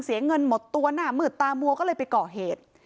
เสียเงินหมดตัวหน้ามืดตามัวก็เลยไปก่อเหตุ